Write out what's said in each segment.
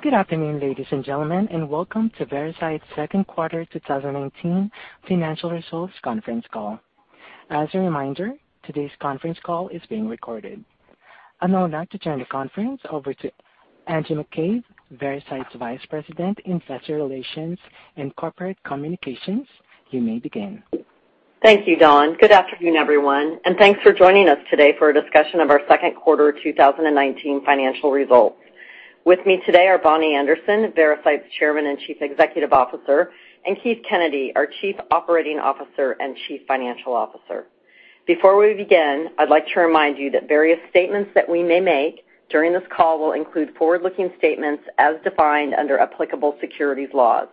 Good afternoon, ladies and gentlemen, and welcome to Veracyte's second quarter 2019 financial results conference call. As a reminder, today's conference call is being recorded. I'd now like to turn the conference over to Angie McCabe, Veracyte's Vice President in Investor Relations and Corporate Communications. You may begin. Thank you, Dawn. Good afternoon, everyone, and thanks for joining us today for a discussion of our second quarter 2019 financial results. With me today are Bonnie Anderson, Veracyte's Chairman and Chief Executive Officer, and Keith Kennedy, our Chief Operating Officer and Chief Financial Officer. Before we begin, I'd like to remind you that various statements that we may make during this call will include forward-looking statements as defined under applicable securities laws.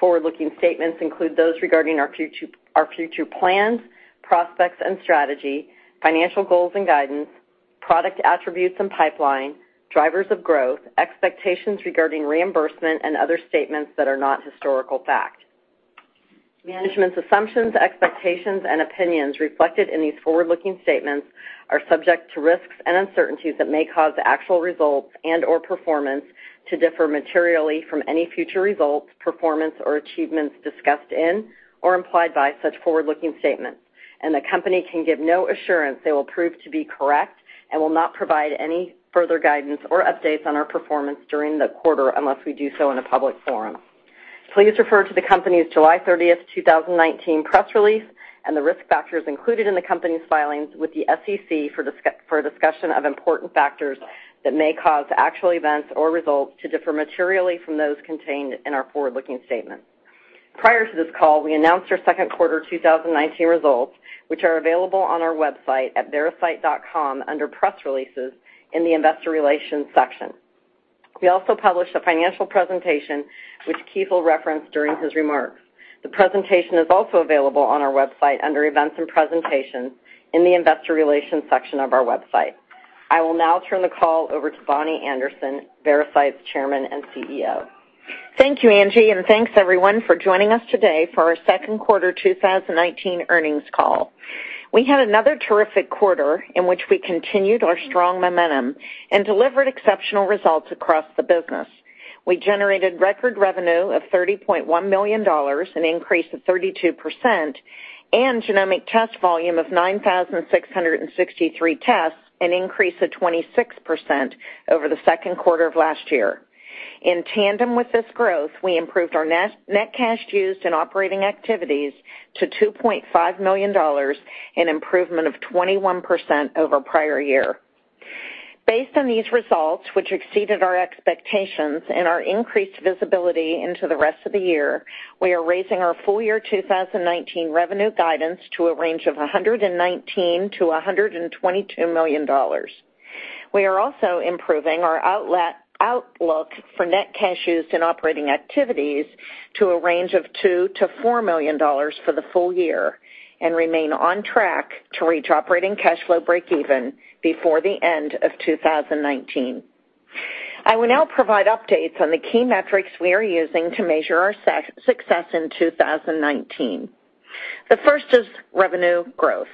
Forward-looking statements include those regarding our future plans, prospects and strategy, financial goals and guidance, product attributes and pipeline, drivers of growth, expectations regarding reimbursement, and other statements that are not historical fact. Management's assumptions, expectations, and opinions reflected in these forward-looking statements are subject to risks and uncertainties that may cause actual results and/or performance to differ materially from any future results, performance, or achievements discussed in or implied by such forward-looking statements, and the company can give no assurance they will prove to be correct and will not provide any further guidance or updates on our performance during the quarter unless we do so in a public forum. Please refer to the company's July 30th, 2019 press release and the risk factors included in the company's filings with the SEC for a discussion of important factors that may cause actual events or results to differ materially from those contained in our forward-looking statement. Prior to this call, we announced our second quarter 2019 results, which are available on our website at veracyte.com under Press Releases in the Investor Relations section. We also published a financial presentation which Keith will reference during his remarks. The presentation is also available on our website under Events and Presentations in the Investor Relations section of our website. I will now turn the call over to Bonnie Anderson, Veracyte's Chairman and CEO. Thank you, Angie, and thanks, everyone, for joining us today for our second quarter 2019 earnings call. We had another terrific quarter in which we continued our strong momentum and delivered exceptional results across the business. We generated record revenue of $30.1 million, an increase of 32%, and genomic test volume of 9,663 tests, an increase of 26% over the second quarter of last year. In tandem with this growth, we improved our net cash used in operating activities to $2.5 million, an improvement of 21% over prior year. Based on these results, which exceeded our expectations and our increased visibility into the rest of the year, we are raising our full-year 2019 revenue guidance to a range of $119 million-$122 million. We are also improving our outlook for net cash used in operating activities to a range of $2 million-$4 million for the full year and remain on track to reach operating cash flow breakeven before the end of 2019. I will now provide updates on the key metrics we are using to measure our success in 2019. The first is revenue growth.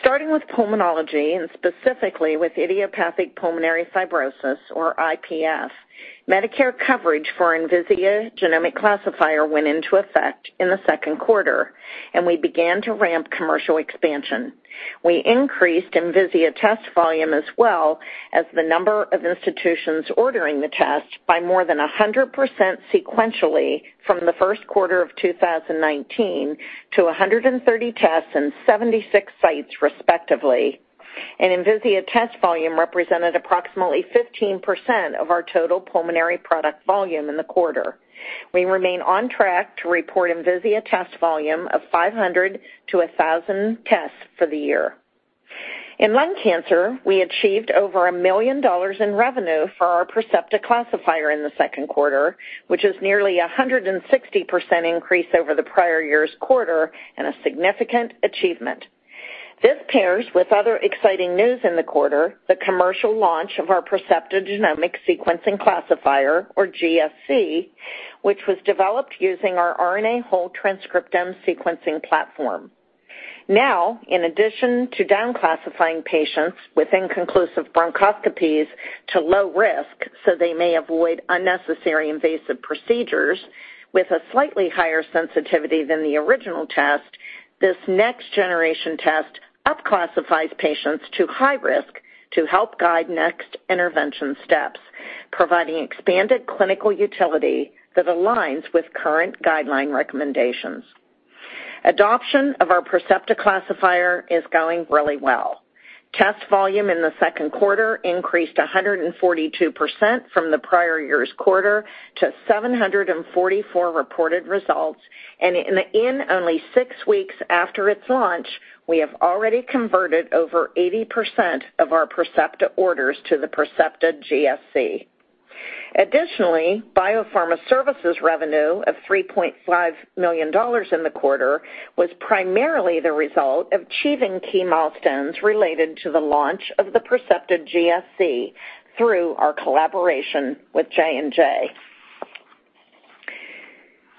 Starting with pulmonology, and specifically with idiopathic pulmonary fibrosis or IPF, Medicare coverage for Envisia genomic classifier went into effect in the second quarter. We began to ramp commercial expansion. We increased Envisia test volume as well as the number of institutions ordering the test by more than 100% sequentially from the first quarter of 2019 to 130 tests and 76 sites, respectively. Envisia test volume represented approximately 15% of our total pulmonary product volume in the quarter. We remain on track to report Envisia test volume of 500 to 1,000 tests for the year. In lung cancer, we achieved over $1 million in revenue for our Percepta Classifier in the second quarter, which is nearly 160% increase over the prior year's quarter and a significant achievement. This pairs with other exciting news in the quarter, the commercial launch of our Percepta Genomic Sequencing Classifier, or GSC, which was developed using our RNA whole-transcriptome sequencing platform. In addition to down-classifying patients with inconclusive bronchoscopies to low risk so they may avoid unnecessary invasive procedures with a slightly higher sensitivity than the original test, this next-generation test up-classifies patients to high risk to help guide next intervention steps, providing expanded clinical utility that aligns with current guideline recommendations. Adoption of our Percepta Classifier is going really well. Test volume in the second quarter increased 142% from the prior year's quarter to 744 reported results, and in only six weeks after its launch, we have already converted over 80% of our Percepta orders to the Percepta GSC. Biopharma services revenue of $3.5 million in the quarter was primarily the result of achieving key milestones related to the launch of the Percepta GSC through our collaboration with J&J.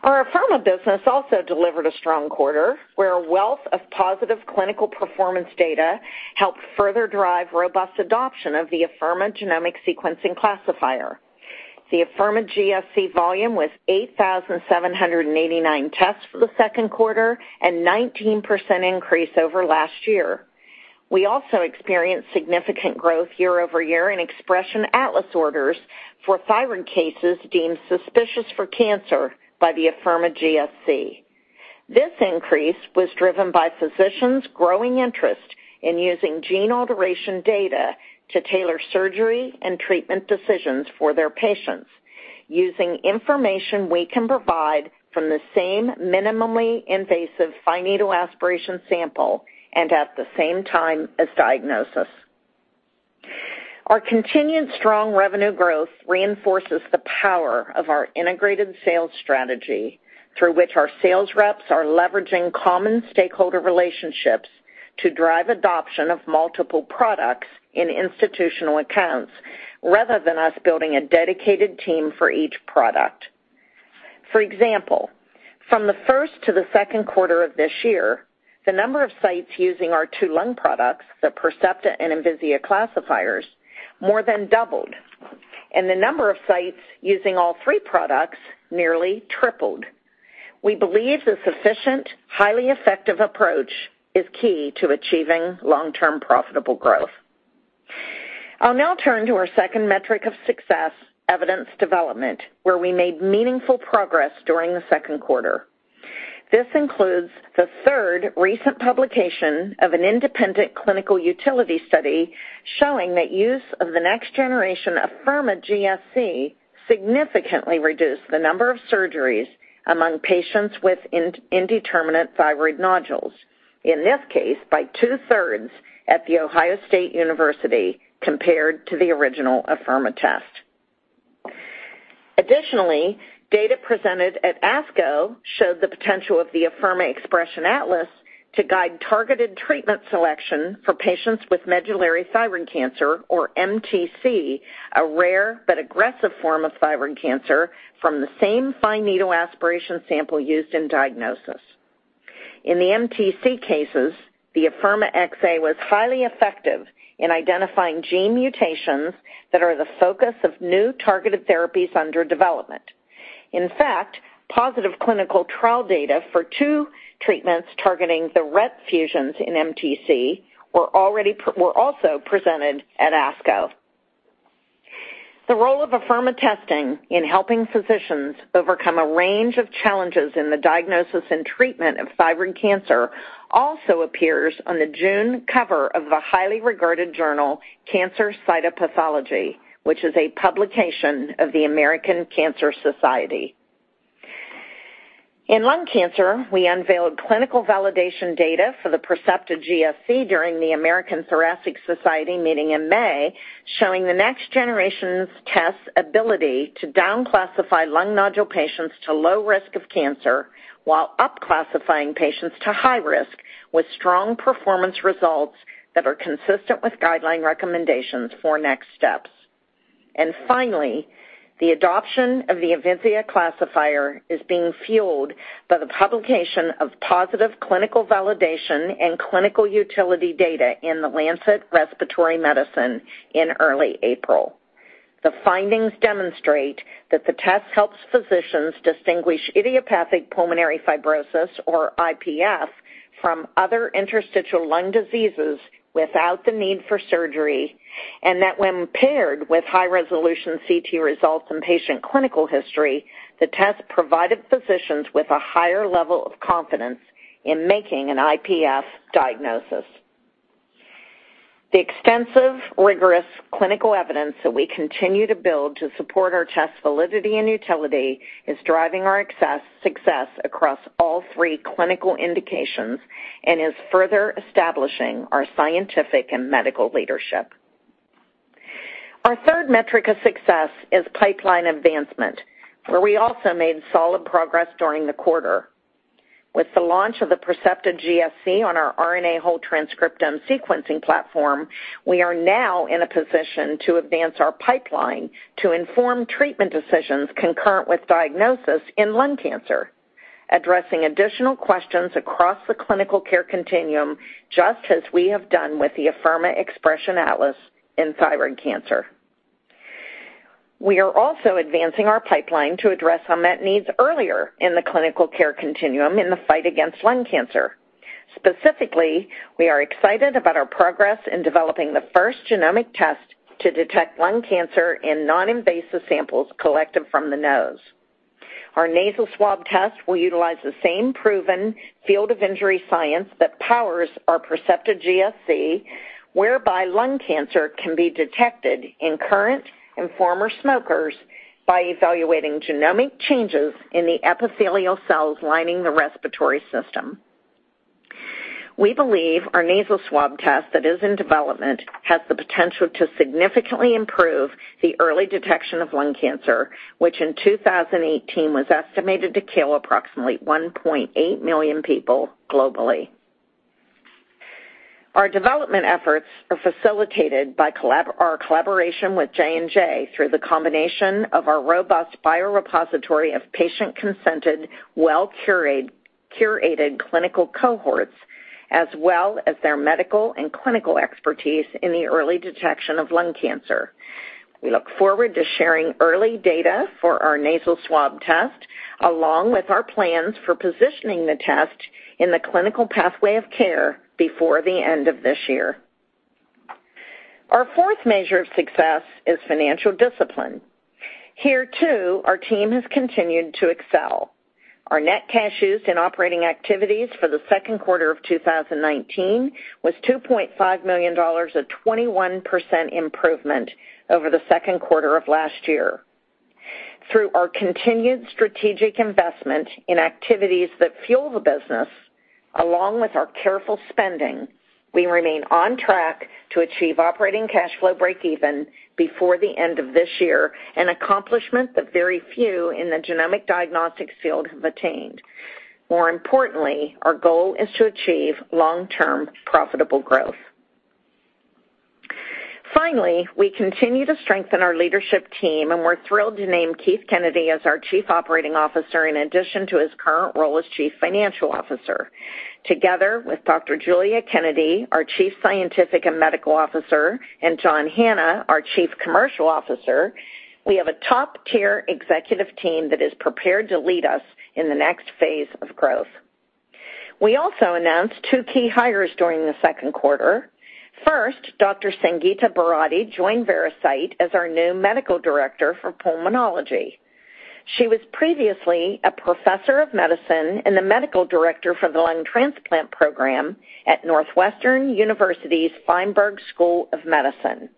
Our Afirma business also delivered a strong quarter, where a wealth of positive clinical performance data helped further drive robust adoption of the Afirma Genomic Sequencing Classifier. The Afirma GSC volume was 8,789 tests for the second quarter and 19% increase over last year. We also experienced significant growth year-over-year in Xpression Atlas orders for thyroid cases deemed suspicious for cancer by the Afirma GSC. This increase was driven by physicians' growing interest in using gene alteration data to tailor surgery and treatment decisions for their patients, using information we can provide from the same minimally invasive fine needle aspiration sample, and at the same time as diagnosis. Our continued strong revenue growth reinforces the power of our integrated sales strategy, through which our sales reps are leveraging common stakeholder relationships to drive adoption of multiple products in institutional accounts, rather than us building a dedicated team for each product. For example, from the first to the second quarter of this year, the number of sites using our two lung products, the Percepta and Envisia Classifiers, more than doubled. The number of sites using all three products nearly tripled. We believe this efficient, highly effective approach is key to achieving long-term profitable growth. I'll now turn to our second metric of success, evidence development, where we made meaningful progress during the second quarter. This includes the third recent publication of an independent clinical utility study showing that use of the next generation of Afirma GSC significantly reduced the number of surgeries among patients with indeterminate thyroid nodules. In this case, by two-thirds at the Ohio State University, compared to the original Afirma test. Additionally, data presented at ASCO showed the potential of the Afirma Xpression Atlas to guide targeted treatment selection for patients with medullary thyroid cancer, or MTC, a rare but aggressive form of thyroid cancer from the same fine needle aspiration sample used in diagnosis. In the MTC cases, the Afirma XA was highly effective in identifying gene mutations that are the focus of new targeted therapies under development. Positive clinical trial data for two treatments targeting the RET fusions in MTC were also presented at ASCO. The role of Afirma testing in helping physicians overcome a range of challenges in the diagnosis and treatment of thyroid cancer also appears on the June cover of the highly regarded journal, Cancer Cytopathology, which is a publication of the American Cancer Society. In lung cancer, we unveiled clinical validation data for the Percepta GSC during the American Thoracic Society meeting in May, showing the next generation's test ability to down classify lung nodule patients to low risk of cancer while up classifying patients to high risk with strong performance results that are consistent with guideline recommendations for next steps. Finally, the adoption of the Envisia Classifier is being fueled by the publication of positive clinical validation and clinical utility data in The Lancet Respiratory Medicine in early April. The findings demonstrate that the test helps physicians distinguish idiopathic pulmonary fibrosis, or IPF, from other interstitial lung diseases without the need for surgery, and that when paired with high-resolution CT results and patient clinical history, the test provided physicians with a higher level of confidence in making an IPF diagnosis. The extensive, rigorous clinical evidence that we continue to build to support our test validity and utility is driving our success across all three clinical indications and is further establishing our scientific and medical leadership. Our third metric of success is pipeline advancement, where we also made solid progress during the quarter. With the launch of the Percepta GSC on our RNA whole-transcriptome sequencing platform, we are now in a position to advance our pipeline to inform treatment decisions concurrent with diagnosis in lung cancer, addressing additional questions across the clinical care continuum, just as we have done with the Afirma Xpression Atlas in thyroid cancer. We are also advancing our pipeline to address unmet needs earlier in the clinical care continuum in the fight against lung cancer. Specifically, we are excited about our progress in developing the first genomic test to detect lung cancer in non-invasive samples collected from the nose. Our nasal swab test will utilize the same proven field of injury science that powers our Percepta GSC, whereby lung cancer can be detected in current and former smokers by evaluating genomic changes in the epithelial cells lining the respiratory system. We believe our nasal swab test that is in development has the potential to significantly improve the early detection of lung cancer, which in 2018 was estimated to kill approximately 1.8 million people globally. Our development efforts are facilitated by our collaboration with J&J through the combination of our robust biorepository of patient-consented, well-curated clinical cohorts, as well as their medical and clinical expertise in the early detection of lung cancer. We look forward to sharing early data for our nasal swab test, along with our plans for positioning the test in the clinical pathway of care before the end of this year. Our fourth measure of success is financial discipline. Here, too, our team has continued to excel. Our net cash used in operating activities for the second quarter of 2019 was $2.5 million, a 21% improvement over the second quarter of last year. Through our continued strategic investment in activities that fuel the business, along with our careful spending, we remain on track to achieve operating cash flow breakeven before the end of this year, an accomplishment that very few in the genomic diagnostics field have attained. More importantly, our goal is to achieve long-term profitable growth. Finally, we continue to strengthen our leadership team, and we're thrilled to name Keith Kennedy as our Chief Operating Officer in addition to his current role as Chief Financial Officer. Together with Dr. Giulia Kennedy, our Chief Scientific and Medical Officer, and John Hanna, our Chief Commercial Officer, we have a top-tier executive team that is prepared to lead us in the next phase of growth. We also announced two key hires during the second quarter. First, Dr. Sangeeta Bhorade joined Veracyte as our new Medical Director for Pulmonology. She was previously a professor of medicine and the medical director for the lung transplant program at Northwestern University's Feinberg School of Medicine.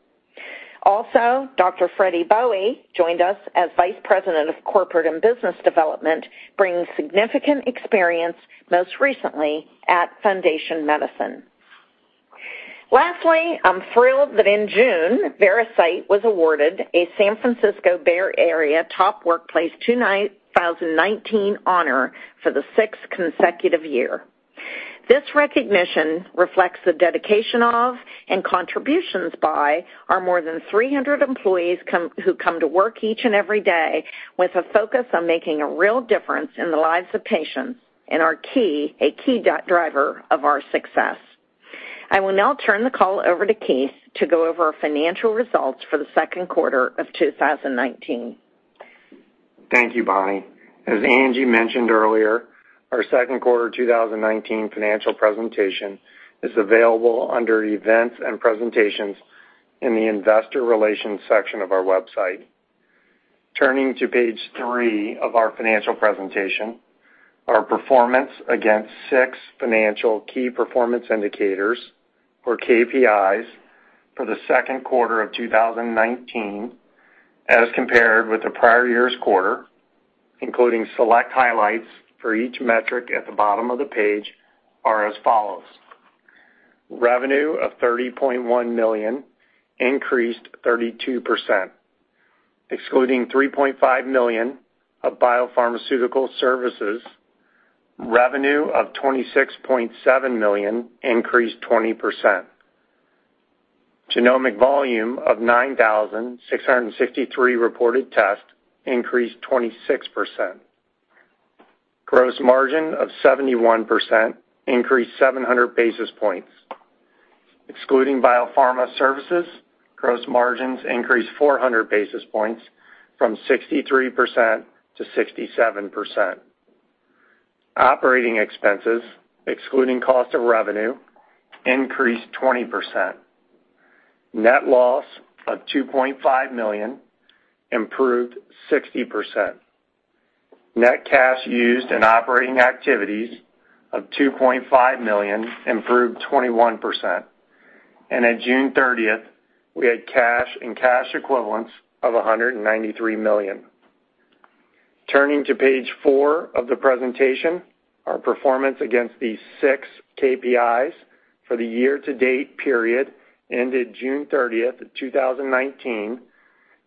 Also, Dr. Freddie Bowie joined us as vice president of corporate and business development, bringing significant experience, most recently at Foundation Medicine. Lastly, I'm thrilled that in June, Veracyte was awarded a San Francisco Bay Area Top Workplace 2019 honor for the sixth consecutive year. This recognition reflects the dedication of and contributions by our more than 300 employees who come to work each and every day with a focus on making a real difference in the lives of patients and are a key driver of our success. I will now turn the call over to Keith to go over our financial results for the second quarter of 2019. Thank you, Bonnie. As Angie mentioned earlier, our second quarter 2019 financial presentation is available under Events and Presentations in the Investor Relations section of our website. Turning to page three of our financial presentation, our performance against six financial Key Performance Indicators, or KPIs, for the second quarter of 2019, as compared with the prior year's quarter, including select highlights for each metric at the bottom of the page, are as follows. Revenue of $30.1 million, increased 32%. Excluding $3.5 million of biopharmaceutical services, revenue of $26.7 million, increased 20%. Genomic volume of 9,663 reported tests, increased 26%. Gross margin of 71%, increased 700 basis points. Excluding biopharma services, gross margins increased 400 basis points from 63% to 67%. Operating expenses, excluding cost of revenue, increased 20%. Net loss of $2.5 million, improved 60%. Net cash used in operating activities of $2.5 million, improved 21%. At June 30th, we had cash and cash equivalents of $193 million. Turning to page four of the presentation, our performance against these six KPIs for the year-to-date period ended June 30th of 2019,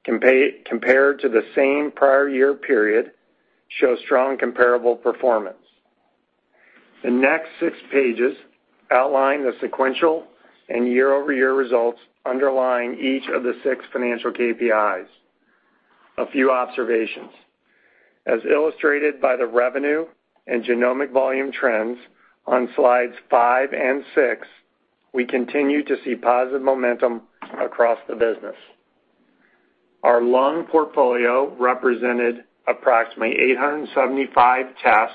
compared to the same prior year period, show strong comparable performance. The next six pages outline the sequential and year-over-year results underlying each of the six financial KPIs. A few observations. As illustrated by the revenue and genomic volume trends on slides five and six, we continue to see positive momentum across the business. Our lung portfolio represented approximately 875 tests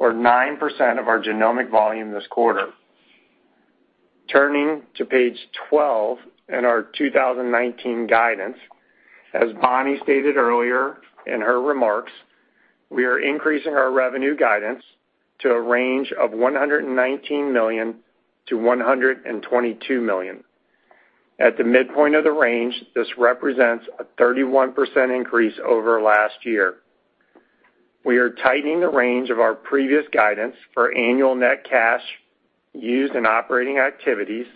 or 9% of our genomic volume this quarter. Turning to page 12 and our 2019 guidance, as Bonnie stated earlier in her remarks, we are increasing our revenue guidance to a range of $119 million-$122 million. At the midpoint of the range, this represents a 31% increase over last year. We are tightening the range of our previous guidance for annual net cash used in operating activities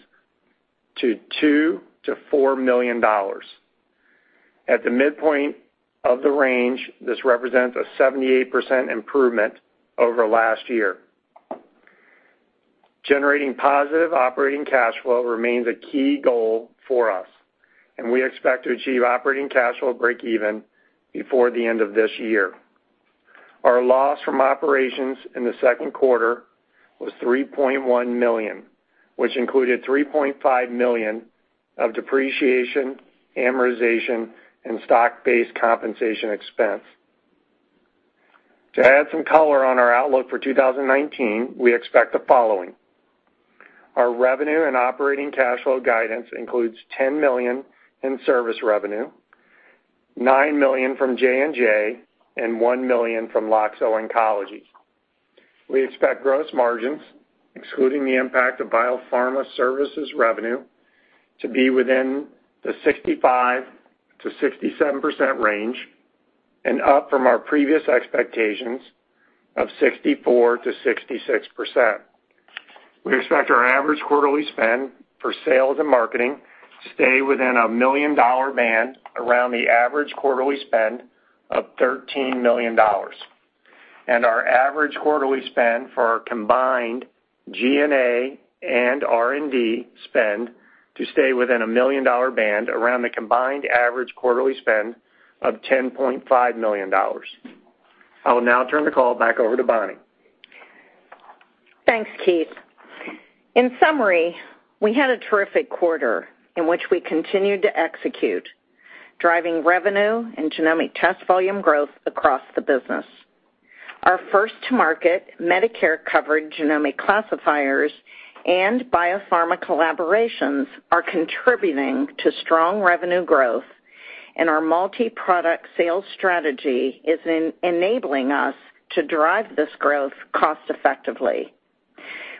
to $2 million-$4 million. At the midpoint of the range, this represents a 78% improvement over last year. Generating positive operating cash flow remains a key goal for us. We expect to achieve operating cash flow breakeven before the end of this year. Our loss from operations in the second quarter was $3.1 million, which included $3.5 million of depreciation, amortization, and stock-based compensation expense. To add some color on our outlook for 2019, we expect the following. Our revenue and operating cash flow guidance includes $10 million in service revenue, $9 million from J&J and $1 million from Loxo Oncology. We expect gross margins, excluding the impact of biopharma services revenue, to be within the 65%-67% range and up from our previous expectations of 64%-66%. We expect our average quarterly spend for sales and marketing to stay within a $1 million band around the average quarterly spend of $13 million. Our average quarterly spend for our combined G&A and R&D spend to stay within a $1 million band around the combined average quarterly spend of $10.5 million. I will now turn the call back over to Bonnie. Thanks, Keith. In summary, we had a terrific quarter in which we continued to execute, driving revenue and genomic test volume growth across the business. Our first-to-market Medicare-covered genomic classifiers and biopharma collaborations are contributing to strong revenue growth, and our multi-product sales strategy is enabling us to drive this growth cost effectively.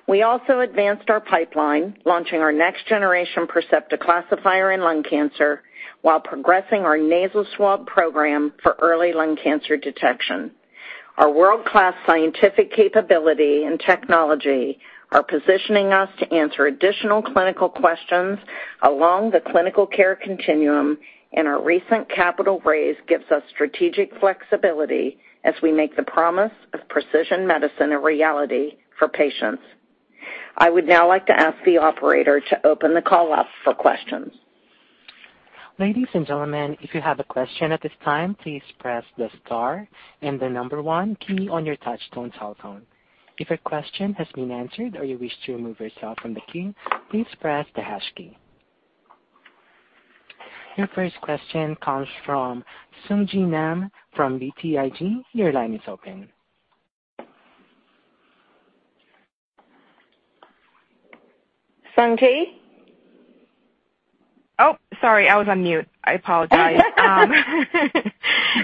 We also advanced our pipeline, launching our next-generation Percepta classifier in lung cancer while progressing our nasal swab program for early lung cancer detection. Our world-class scientific capability and technology are positioning us to answer additional clinical questions along the clinical care continuum, and our recent capital raise gives us strategic flexibility as we make the promise of precision medicine a reality for patients. I would now like to ask the operator to open the call up for questions. Ladies and gentlemen, if you have a question at this time, please press the star and the number 1 key on your touchtone telephone. If your question has been answered or you wish to remove yourself from the queue, please press the hash key. Your first question comes from Sung Ji Nam from BTIG. Your line is open. Sung Ji? Oh, sorry, I was on mute. I apologize.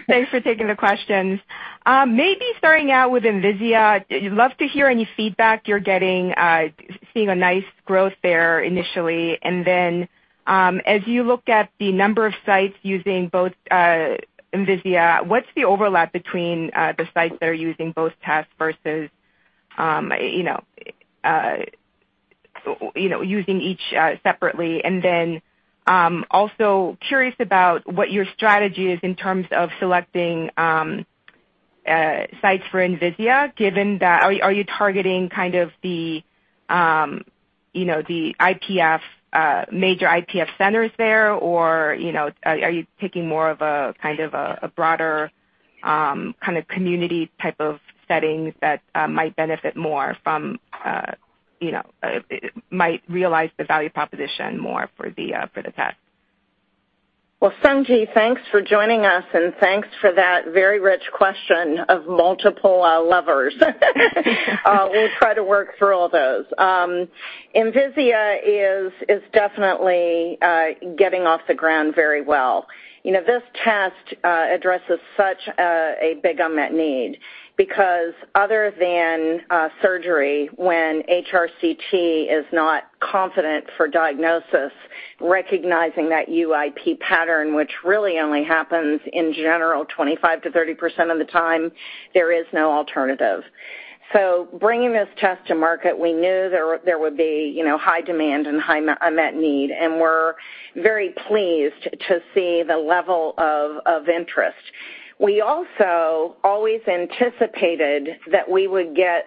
Thanks for taking the questions. Maybe starting out with Envisia, love to hear any feedback you're getting, seeing a nice growth there initially. As you look at the number of sites using both Envisia, what's the overlap between the sites that are using both tests versus using each separately? Also curious about what your strategy is in terms of selecting sites for Envisia, given that Are you targeting kind of the major IPF centers there, or are you taking more of a broader kind of community type of settings that might realize the value proposition more for the test? Well, Sung Ji, thanks for joining us, thanks for that very rich question of multiple levers. We'll try to work through all those. Envisia is definitely getting off the ground very well. This test addresses such a big unmet need because other than surgery, when HRCT is not confident for diagnosis, recognizing that UIP pattern, which really only happens in general 25% to 30% of the time, there is no alternative. Bringing this test to market, we knew there would be high demand and high unmet need, we're very pleased to see the level of interest. We also always anticipated that we would get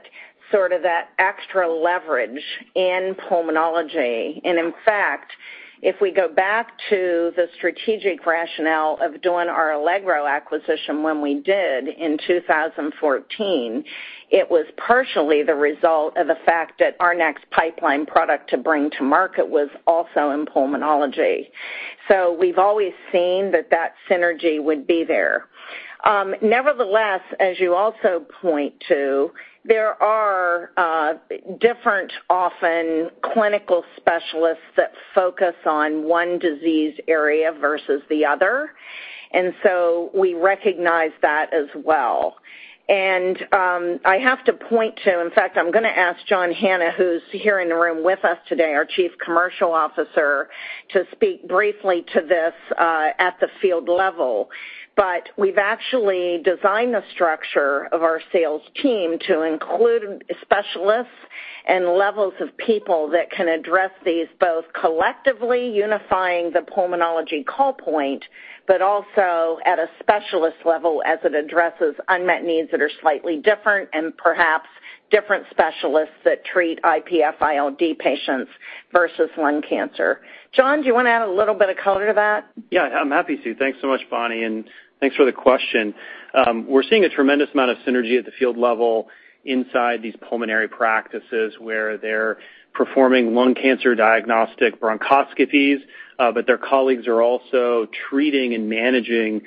sort of that extra leverage in pulmonology. In fact, if we go back to the strategic rationale of doing our Allegro acquisition when we did in 2014, it was partially the result of the fact that our next pipeline product to bring to market was also in pulmonology. We've always seen that that synergy would be there. Nevertheless, as you also point to, there are different, often, clinical specialists that focus on one disease area versus the other, and so we recognize that as well. I have to point to, in fact, I'm going to ask John Hanna, who's here in the room with us today, our Chief Commercial Officer, to speak briefly to this at the field level. We've actually designed the structure of our sales team to include specialists and levels of people that can address these both collectively unifying the pulmonology call point, but also at a specialist level as it addresses unmet needs that are slightly different and perhaps different specialists that treat IPF-ILD patients versus lung cancer. John, do you want to add a little bit of color to that? Yeah, I'm happy to. Thanks so much, Bonnie, and thanks for the question. We're seeing a tremendous amount of synergy at the field level inside these pulmonary practices where they're performing lung cancer diagnostic bronchoscopies, but their colleagues are also treating and managing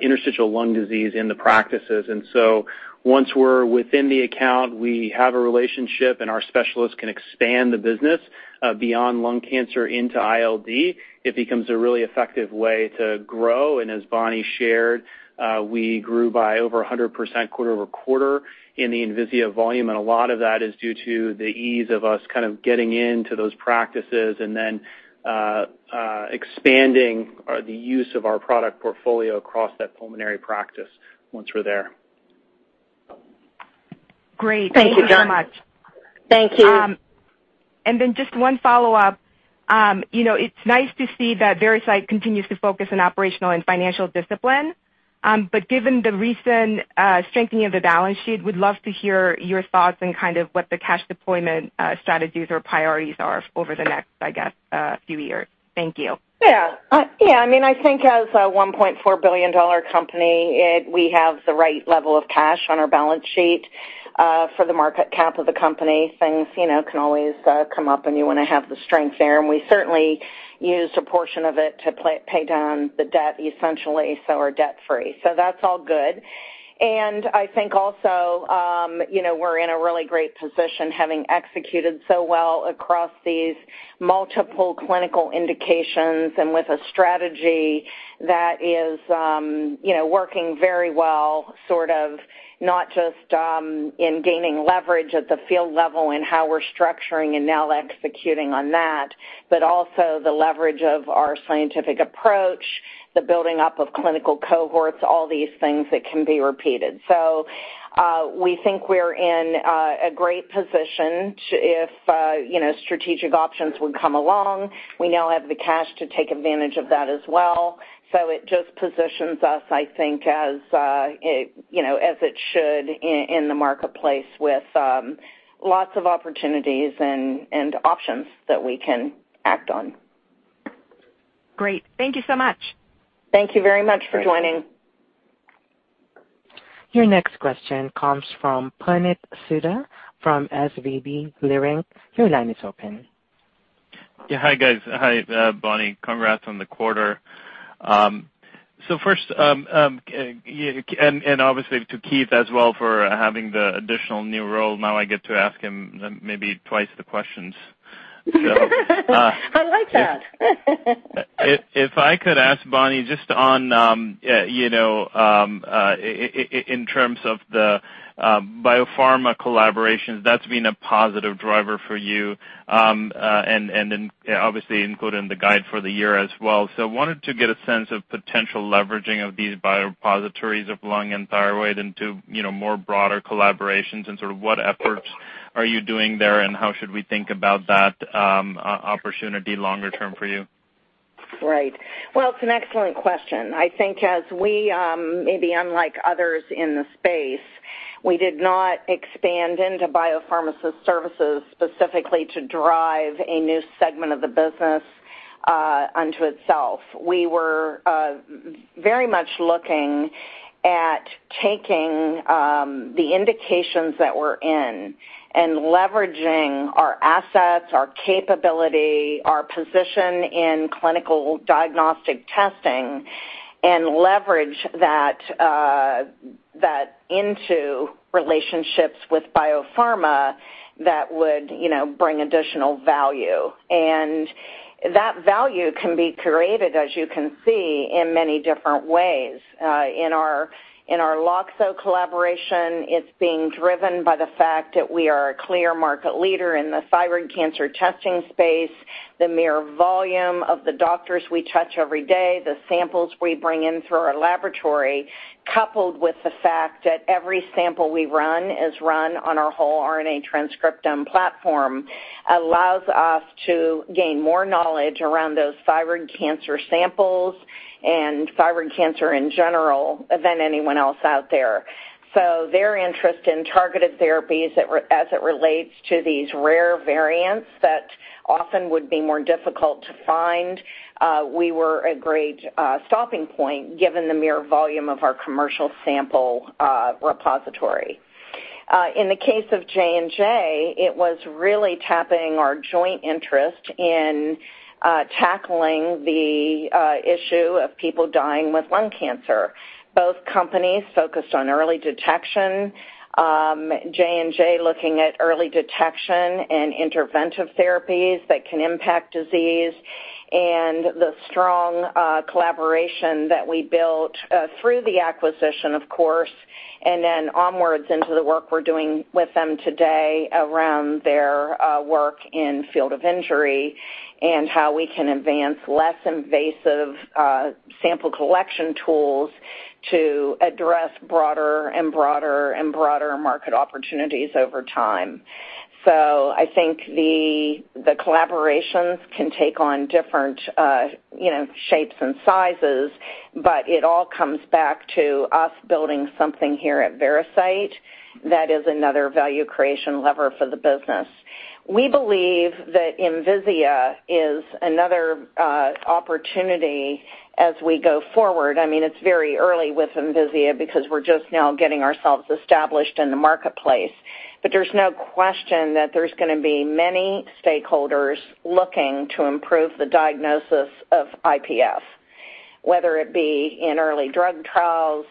interstitial lung disease in the practices. So once we're within the account, we have a relationship and our specialists can expand the business beyond lung cancer into ILD. It becomes a really effective way to grow. As Bonnie shared, we grew by over 100% quarter-over-quarter in the Envisia volume and a lot of that is due to the ease of us kind of getting into those practices and then expanding the use of our product portfolio across that pulmonary practice once we're there. Great. Thank you so much. Thank you, John. Thank you. Just one follow-up. It's nice to see that Veracyte continues to focus on operational and financial discipline. Given the recent strengthening of the balance sheet, we'd love to hear your thoughts on kind of what the cash deployment strategies or priorities are over the next, I guess, few years. Thank you. Yeah. I think as a $1.4 billion company, we have the right level of cash on our balance sheet for the market cap of the company. Things can always come up and you want to have the strength there, we certainly used a portion of it to pay down the debt essentially, so we're debt-free. That's all good. I think also, we're in a really great position having executed so well across these multiple clinical indications and with a strategy that is working very well, sort of not just in gaining leverage at the field level and how we're structuring and now executing on that, but also the leverage of our scientific approach, the building up of clinical cohorts, all these things that can be repeated. We think we're in a great position if strategic options would come along. We now have the cash to take advantage of that as well. It just positions us, I think, as it should in the marketplace with lots of opportunities and options that we can act on. Great. Thank you so much. Thank you very much for joining. Your next question comes from Puneet Souda from SVB Leerink. Your line is open. Yeah. Hi, guys. Hi, Bonnie. Congrats on the quarter. First, and obviously to Keith as well for having the additional new role. Now I get to ask him maybe twice the questions. I like that. If I could ask Bonnie just on in terms of the biopharma collaborations, that's been a positive driver for you, and then obviously included in the guide for the year as well. I wanted to get a sense of potential leveraging of these biorepositories of lung and thyroid into more broader collaborations and sort of what efforts are you doing there and how should we think about that opportunity longer term for you? Right. Well, it's an excellent question. I think as we, maybe unlike others in the space, we did not expand into biopharma services specifically to drive a new segment of the business unto itself. We were very much looking at taking the indications that we're in and leveraging our assets, our capability, our position in clinical diagnostic testing and leverage that into relationships with biopharma that would bring additional value. That value can be created, as you can see, in many different ways. In our Loxo collaboration, it's being driven by the fact that we are a clear market leader in the thyroid cancer testing space. The mere volume of the doctors we touch every day, the samples we bring in through our laboratory, coupled with the fact that every sample we run is run on our RNA whole-transcriptome sequencing platform, allows us to gain more knowledge around those thyroid cancer samples and thyroid cancer in general than anyone else out there. Their interest in targeted therapies as it relates to these rare variants that often would be more difficult to find, we were a great stopping point given the mere volume of our commercial sample repository. In the case of J&J, it was really tapping our joint interest in tackling the issue of people dying with lung cancer. Both companies focused on early detection. J&J looking at early detection and interventive therapies that can impact disease and the strong collaboration that we built through the acquisition of course, and then onwards into the work we're doing with them today around their work in field of injury and how we can advance less invasive sample collection tools to address broader and broader and broader market opportunities over time. I think the collaborations can take on different shapes and sizes, but it all comes back to us building something here at Veracyte that is another value creation lever for the business. We believe that Envisia is another opportunity as we go forward. It's very early with Envisia because we're just now getting ourselves established in the marketplace. There's no question that there's going to be many stakeholders looking to improve the diagnosis of IPF, whether it be in early drug trials,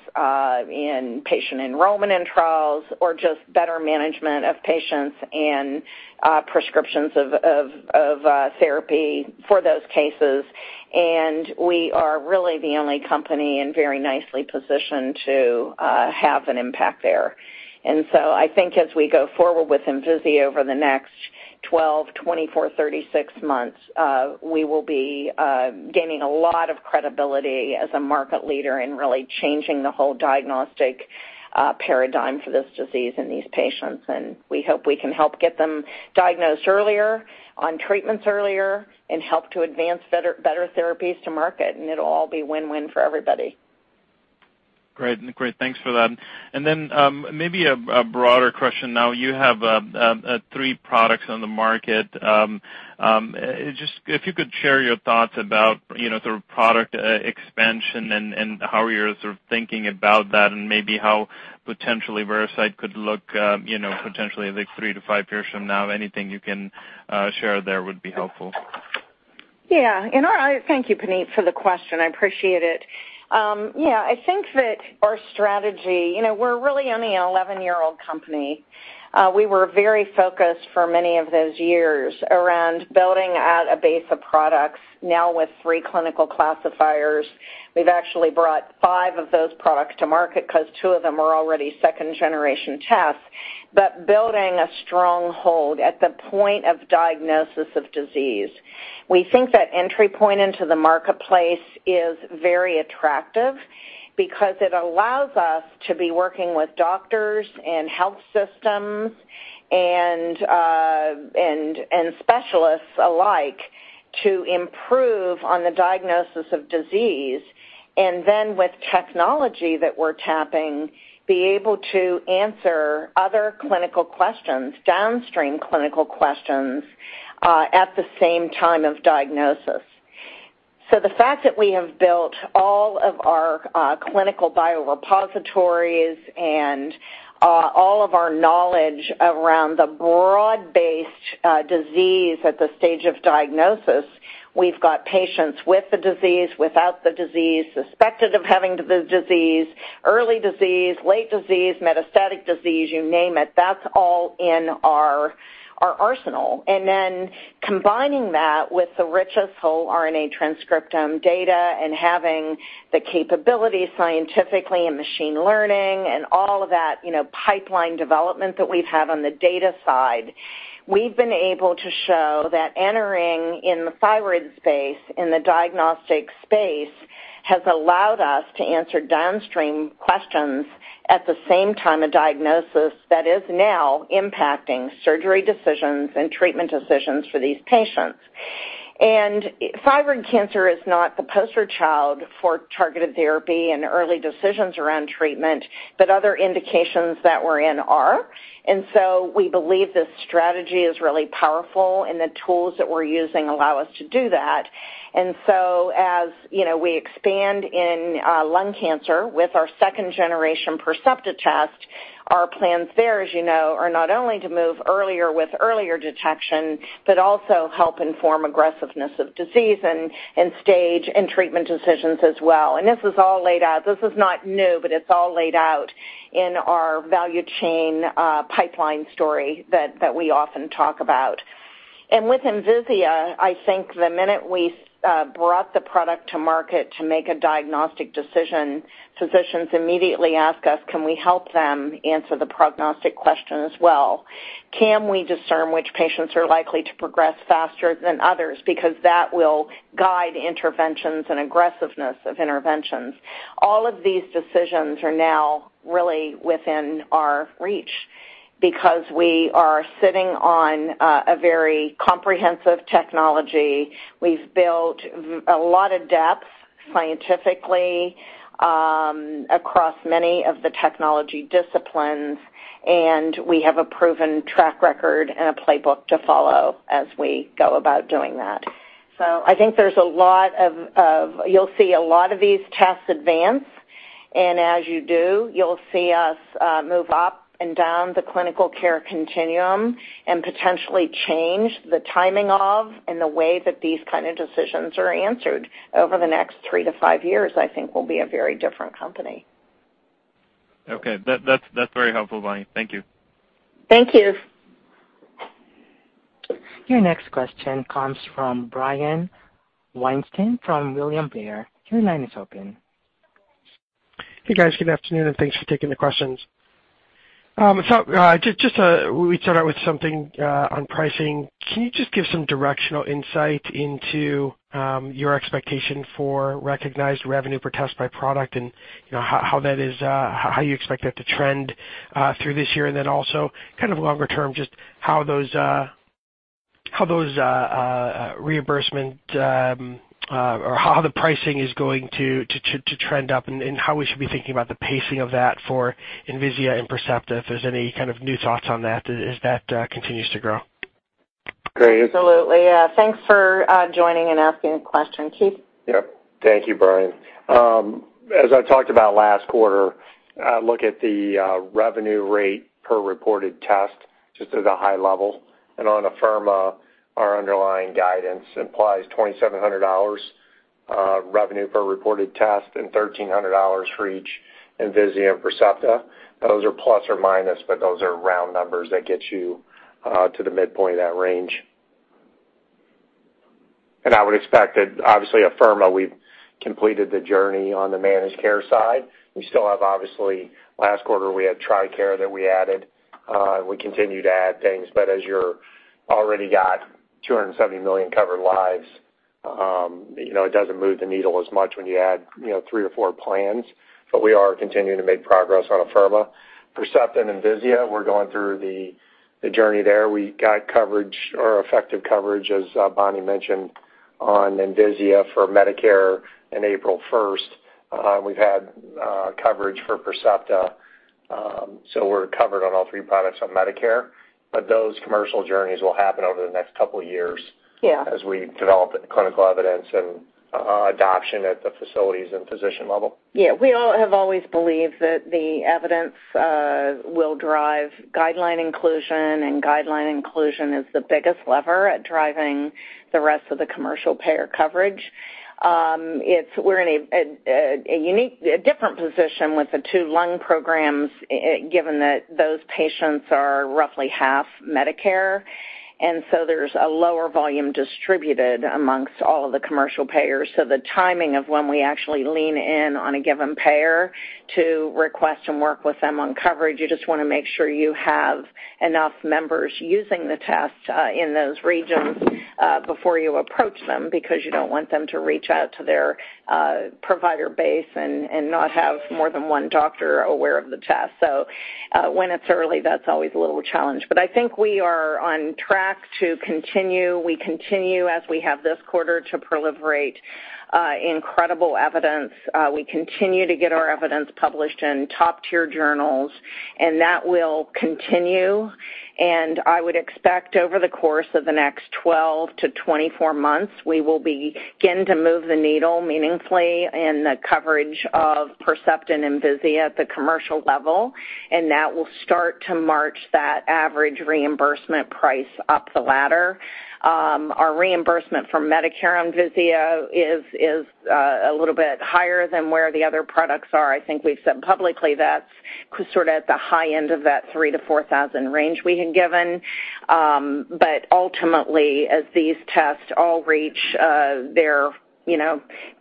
in patient enrollment in trials, or just better management of patients and prescriptions of therapy for those cases. We are really the only company and very nicely positioned to have an impact there. I think as we go forward with Envisia over the next 12, 24, 36 months, we will be gaining a lot of credibility as a market leader in really changing the whole diagnostic paradigm for this disease in these patients. We hope we can help get them diagnosed earlier, on treatments earlier, and help to advance better therapies to market, and it'll all be win-win for everybody. Great. Thanks for that. Maybe a broader question now. You have three products on the market. If you could share your thoughts about the product expansion and how you're thinking about that and maybe how potentially Veracyte could look potentially like three to five years from now, anything you can share there would be helpful. Yeah. Thank you, Puneet, for the question. I appreciate it. I think that our strategy, we're really only an 11-year-old company. We were very focused for many of those years around building out a base of products. Now with three clinical classifiers, we've actually brought five of those products to market because two of them are already second-generation tests, but building a stronghold at the point of diagnosis of disease. We think that entry point into the marketplace is very attractive because it allows us to be working with doctors and health systems and specialists alike to improve on the diagnosis of disease, and then with technology that we're tapping, be able to answer other clinical questions, downstream clinical questions, at the same time of diagnosis. The fact that we have built all of our clinical biorepositories and all of our knowledge around the broad-based disease at the stage of diagnosis, we've got patients with the disease, without the disease, suspected of having the disease, early disease, late disease, metastatic disease, you name it. That's all in our arsenal. Combining that with the richest whole RNA transcriptome data and having the capability scientifically in machine learning and all of that pipeline development that we've had on the data side, we've been able to show that entering in the thyroid space, in the diagnostic space, has allowed us to answer downstream questions at the same time of diagnosis that is now impacting surgery decisions and treatment decisions for these patients. Thyroid cancer is not the poster child for targeted therapy and early decisions around treatment, but other indications that we're in are. We believe this strategy is really powerful, and the tools that we're using allow us to do that. As we expand in lung cancer with our second-generation Percepta test, our plans there, as you know, are not only to move earlier with earlier detection, but also help inform aggressiveness of disease and stage and treatment decisions as well. This is all laid out. This is not new, but it's all laid out in our value chain pipeline story that we often talk about. With Envisia, I think the minute we brought the product to market to make a diagnostic decision, physicians immediately ask us, can we help them answer the prognostic question as well? Can we discern which patients are likely to progress faster than others? Because that will guide interventions and aggressiveness of interventions. All of these decisions are now really within our reach because we are sitting on a very comprehensive technology. We've built a lot of depth scientifically across many of the technology disciplines, and we have a proven track record and a playbook to follow as we go about doing that. I think you'll see a lot of these tests advance, and as you do, you'll see us move up and down the clinical care continuum and potentially change the timing of and the way that these kind of decisions are answered over the next 3 years-5 years, I think we'll be a very different company. Okay. That's very helpful, Bonnie. Thank you. Thank you. Your next question comes from Brian Weinstein from William Blair. Your line is open. Hey, guys. Good afternoon. Thanks for taking the questions. Just to start out with something on pricing, can you just give some directional insight into your expectation for recognized revenue per test by product and how you expect that to trend through this year and then also kind of longer term, just how those reimbursement or how the pricing is going to trend up and how we should be thinking about the pacing of that for Envisia and Percepta, if there's any kind of new thoughts on that as that continues to grow. Great. Absolutely. Thanks for joining and asking the question. Keith? Yep. Thank you, Brian. As I talked about last quarter, look at the revenue rate per reported test just as a high level. On Afirma, our underlying guidance implies $2,700 revenue per reported test and $1,300 for each Envisia and Percepta. Those are plus or minus, but those are round numbers that get you to the midpoint of that range. I would expect that obviously Afirma, we've completed the journey on the managed care side. We still have, obviously, last quarter, we had TRICARE that we added. We continue to add things, but as you're already got 270 million covered lives, it doesn't move the needle as much when you add three or four plans. We are continuing to make progress on Afirma. Percepta and Envisia, we're going through the journey there. We got coverage or effective coverage, as Bonnie mentioned, on Envisia for Medicare in April 1st. We've had coverage for Percepta, we're covered on all three products on Medicare. Those commercial journeys will happen over the next couple of years. Yeah as we develop clinical evidence and adoption at the facilities and physician level. Yeah, we all have always believed that the evidence will drive guideline inclusion. Guideline inclusion is the biggest lever at driving the rest of the commercial payer coverage. We're in a different position with the two lung programs, given that those patients are roughly half Medicare. There's a lower volume distributed amongst all of the commercial payers. The timing of when we actually lean in on a given payer to request and work with them on coverage, you just want to make sure you have enough members using the test in those regions before you approach them, because you don't want them to reach out to their provider base and not have more than one doctor aware of the test. When it's early, that's always a little challenge. I think we are on track to continue. We continue, as we have this quarter, to proliferate incredible evidence. We continue to get our evidence published in top-tier journals, and that will continue. I would expect over the course of the next 12 to 24 months, we will begin to move the needle meaningfully in the coverage of Percepta and Envisia at the commercial level, and that will start to march that average reimbursement price up the ladder. Our reimbursement for Medicare Envisia is a little bit higher than where the other products are. I think we've said publicly that's sort of at the high end of that $3,000-$4,000 range we had given. Ultimately, as these tests all reach their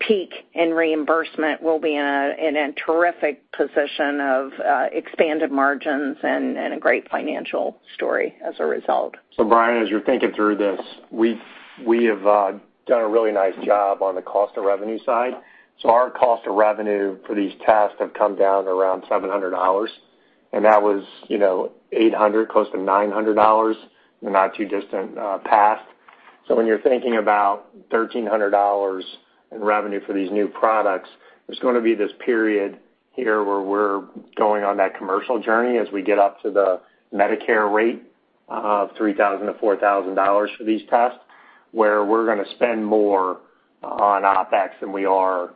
peak in reimbursement, we'll be in a terrific position of expanded margins and a great financial story as a result. Brian, as you're thinking through this, we have done a really nice job on the cost of revenue side. Our cost of revenue for these tests have come down to around $700, and that was $800, close to $900 in the not-too-distant past. When you're thinking about $1,300 in revenue for these new products, there's going to be this period here where we're going on that commercial journey as we get up to the Medicare rate of $3,000 to $4,000 for these tests, where we're going to spend more on OpEx than we are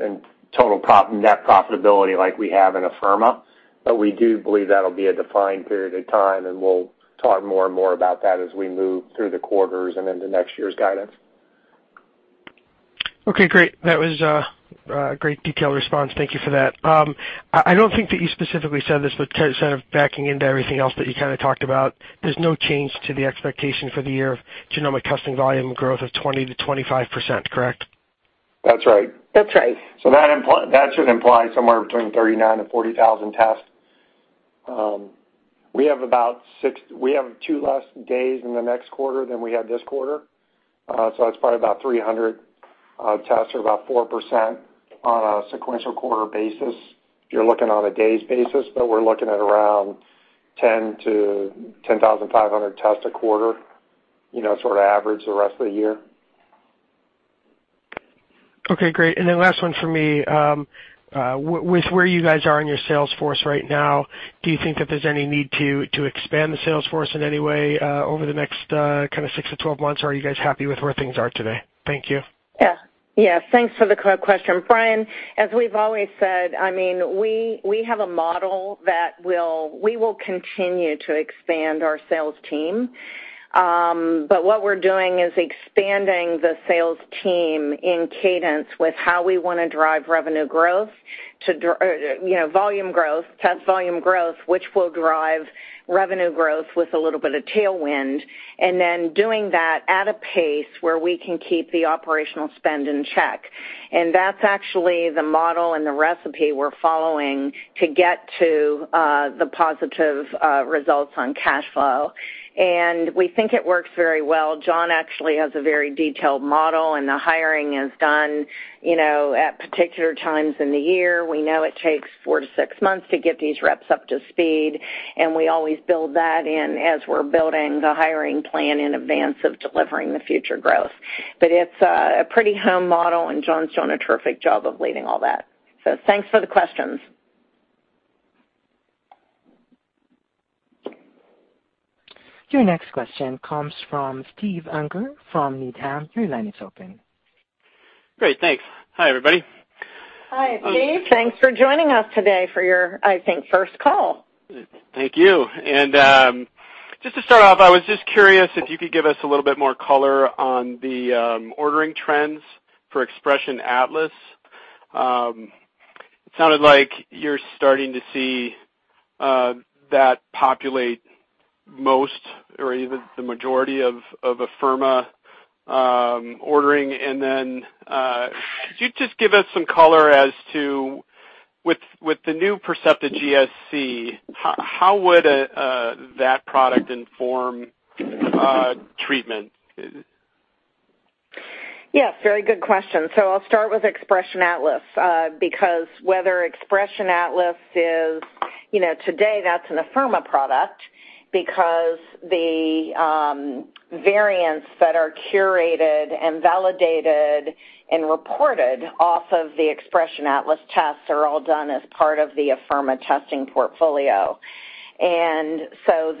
in total net profitability like we have in Afirma. We do believe that'll be a defined period of time, and we'll talk more and more about that as we move through the quarters and into next year's guidance. Okay, great. That was a great detailed response. Thank you for that. I don't think that you specifically said this, but kind of backing into everything else that you kind of talked about, there's no change to the expectation for the year of genomic testing volume growth of 20%-25%, correct? That's right. That's right. That should imply somewhere between 39,000 to 40,000 tests. We have two less days in the next quarter than we had this quarter. That's probably about 300 tests or about 4% on a sequential quarter basis if you're looking on a days basis. We're looking at around 10,000 to 10,500 tests a quarter, sort of average the rest of the year. Okay, great. Last one for me. With where you guys are in your sales force right now, do you think that there's any need to expand the sales force in any way over the next kind of 6-12 months? Are you guys happy with where things are today? Thank you. Yeah. Thanks for the question. Brian, as we've always said, we have a model that we will continue to expand our sales team. What we're doing is expanding the sales team in cadence with how we want to drive revenue growth, volume growth, test volume growth, which will drive revenue growth with a little bit of tailwind. Doing that at a pace where we can keep the operational spend in check. That's actually the model and the recipe we're following to get to the positive results on cash flow. We think it works very well. John actually has a very detailed model, and the hiring is done at particular times in the year. We know it takes 4-6 months to get these reps up to speed, and we always build that in as we're building the hiring plan in advance of delivering the future growth. It's a pretty honed model, and John's done a terrific job of leading all that. Thanks for the questions. Your next question comes from Steve Unger from Needham. Your line is open. Great. Thanks. Hi, everybody. Hi, Steve. Thanks for joining us today for your, I think, first call. Thank you. Just to start off, I was just curious if you could give us a little bit more color on the ordering trends for Xpression Atlas. It sounded like you're starting to see that populate most or even the majority of Afirma ordering. Then could you just give us some color as to, with the new Percepta GSC, how would that product inform treatment? Yes, very good question. I'll start with Xpression Atlas, because today that's an Afirma product because the variants that are curated and validated and reported off of the Xpression Atlas tests are all done as part of the Afirma testing portfolio.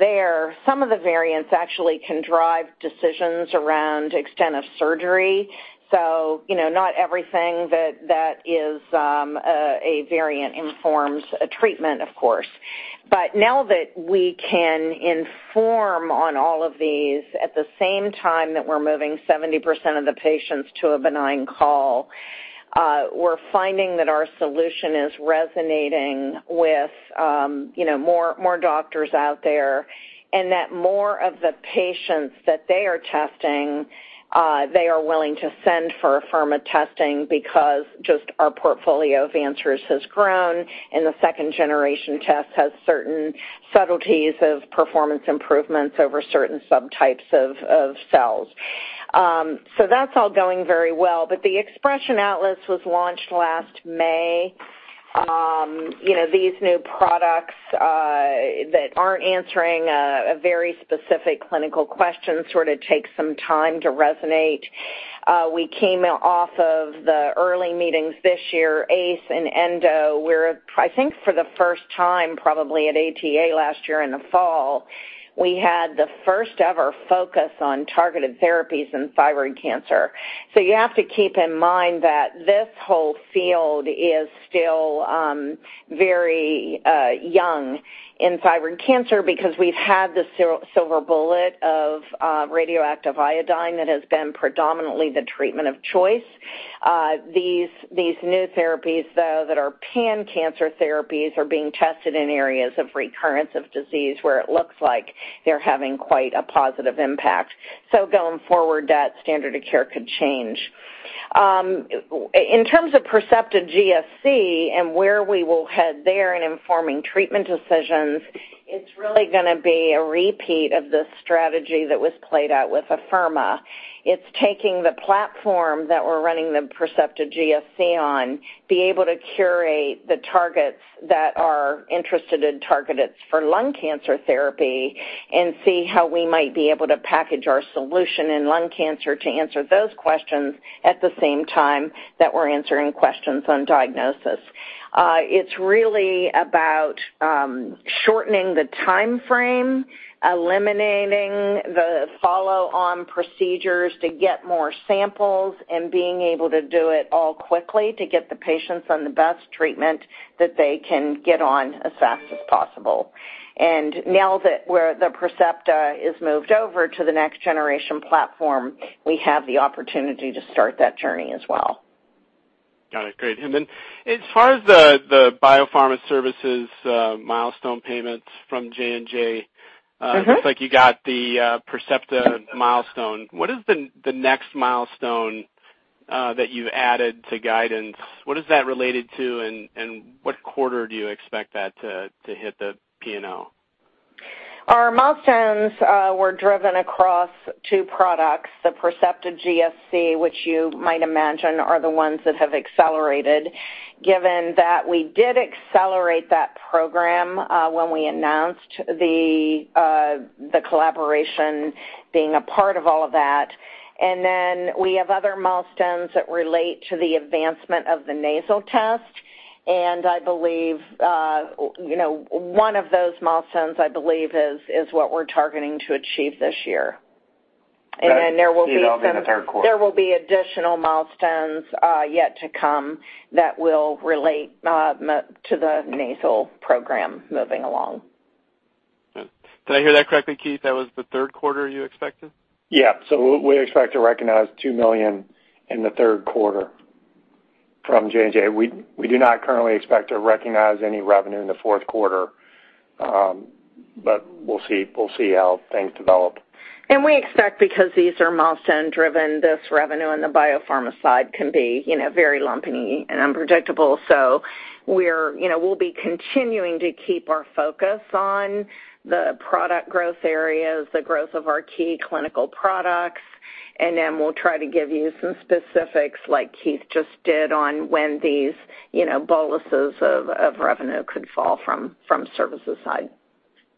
There, some of the variants actually can drive decisions around extent of surgery. Not everything that is a variant informs a treatment, of course. Now that we can inform on all of these at the same time that we're moving 70% of the patients to a benign call, we're finding that our solution is resonating with more doctors out there and that more of the patients that they are testing, they are willing to send for Afirma testing because just our portfolio of answers has grown and the second generation test has certain subtleties of performance improvements over certain subtypes of cells. That's all going very well. The Xpression Atlas was launched last May. These new products that aren't answering a very specific clinical question sort of take some time to resonate. We came off of the early meetings this year, ACE and ENDO. I think for the first time, probably at ATA last year in the fall, we had the first-ever focus on targeted therapies in thyroid cancer. You have to keep in mind that this whole field is still very young in thyroid cancer because we've had the silver bullet of radioactive iodine that has been predominantly the treatment of choice. These new therapies, though, that are pan-cancer therapies are being tested in areas of recurrence of disease where it looks like they're having quite a positive impact. Going forward, that standard of care could change. In terms of Percepta GSC and where we will head there in informing treatment decisions, it's really going to be a repeat of the strategy that was played out with Afirma. It's taking the platform that we're running the Percepta GSC on, be able to curate the targets that are interested in targeted for lung cancer therapy and see how we might be able to package our solution in lung cancer to answer those questions at the same time that we're answering questions on diagnosis. It's really about shortening the timeframe, eliminating the follow-on procedures to get more samples, and being able to do it all quickly to get the patients on the best treatment that they can get on as fast as possible. Now that the Percepta is moved over to the next generation platform, we have the opportunity to start that journey as well. Got it. Great. As far as the biopharma services milestone payments from J&J- It looks like you got the Percepta milestone. What is the next milestone that you added to guidance? What is that related to, and what quarter do you expect that to hit the P&L? Our milestones were driven across two products, the Percepta GSC, which you might imagine are the ones that have accelerated, given that we did accelerate that program when we announced the collaboration being a part of all of that. We have other milestones that relate to the advancement of the nasal test. One of those milestones, I believe, is what we're targeting to achieve this year. There will be- Keith, that will be in the third quarter. There will be additional milestones yet to come that will relate to the nasal program moving along. Did I hear that correctly, Keith? That was the third quarter you expected? Yeah. We expect to recognize $2 million in the third quarter from J&J. We do not currently expect to recognize any revenue in the fourth quarter, but we'll see how things develop. We expect because these are milestone driven, this revenue in the biopharma side can be very lumpy and unpredictable. We'll be continuing to keep our focus on the product growth areas, the growth of our key clinical products, and then we'll try to give you some specifics like Keith just did on when these boluses of revenue could fall from services side.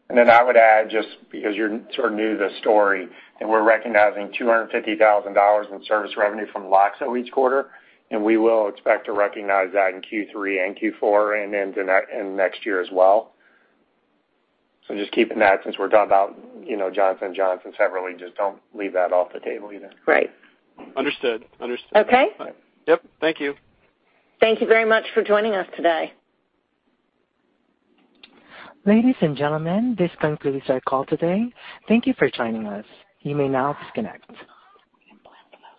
I would add, just because you're sort of new to the story, we're recognizing $250,000 in service revenue from Loxo each quarter. We will expect to recognize that in Q3 and Q4 and next year as well. Just keeping that since we're talking about Johnson & Johnson separately, just don't leave that off the table either. Right. Understood. Understood. Okay. Yep. Thank you. Thank you very much for joining us today. Ladies and gentlemen, this concludes our call today. Thank you for joining us. You may now disconnect.